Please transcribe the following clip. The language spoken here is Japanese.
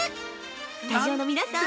スタジオの皆さん！